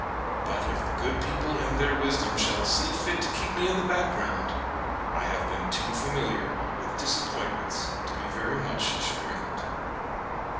But if the good people in their wisdom shall see fit to keep me in the background, I have been too familiar with disappointments to be very much chagrined."